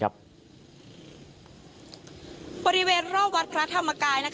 บริเวณรอบวัดพระธรรมกาย